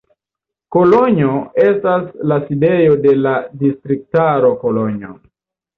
Kolonjo estas la sidejo de la distriktaro Kolonjo.